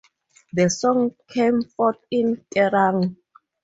The song came fourth in Kerrang!